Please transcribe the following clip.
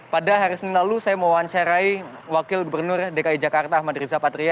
pada hari senin lalu saya mewawancarai wakil gubernur dki jakarta ahmad riza patria